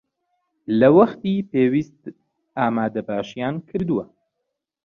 لە وەختی پێویست ئامادەباشییان کردووە